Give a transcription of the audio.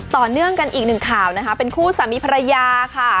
ต่อเนื่องกันอีกหนึ่งข่าวนะคะเป็นคู่สามีภรรยาค่ะ